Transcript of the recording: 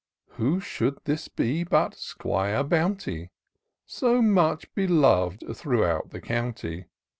Who should this be but 'Squire Bounty y So much belov'd throughout the county.